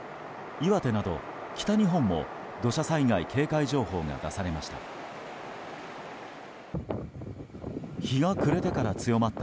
岩手など北日本も土砂災害警戒情報が出されました。